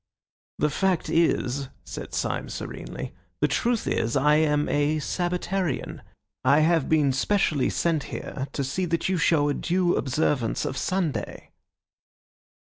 "The fact is," said Syme serenely, "the truth is I am a Sabbatarian. I have been specially sent here to see that you show a due observance of Sunday."